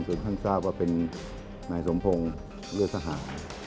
ท่านทราบว่าเป็นนายสมพงศ์เลือดสหะ